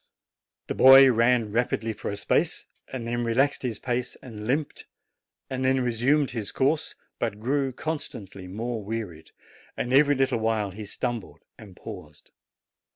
The boy ran rapidly for a space, then relaxed his pace and limped, then resumed his course, but grew! constantly more wearied, and every little while he stumbled and paused.